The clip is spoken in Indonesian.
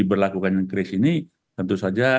berlakukan kris ini tentu saja